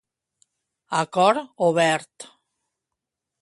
A cor obert.